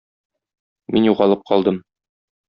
Мин югалып калдым.